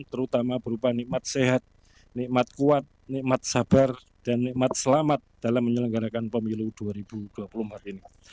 terutama berupa nikmat sehat nikmat kuat nikmat sabar dan nikmat selamat dalam menyelenggarakan pemilu dua ribu dua puluh empat ini